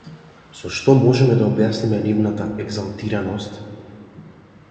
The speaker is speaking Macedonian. Со што можеме да ја објасниме нивната егзалтираност?